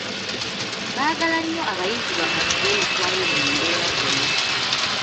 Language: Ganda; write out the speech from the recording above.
Baagala nnyo abayizi bamanyiire Oluswayiri mu mbeera zonna.